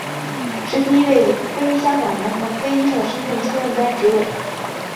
是第一位以非香港人和非医生的身份出任该职位。